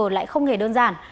lại không hề đơn giản